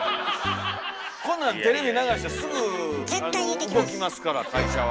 こんなんテレビ流したらすぐ動きますから会社は。